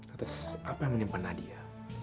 atas apa yang menimpa nadia